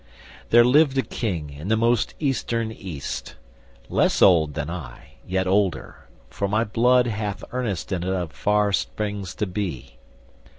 "There lived a king in the most Eastern East, Less old than I, yet older, for my blood Hath earnest in it of far springs to be.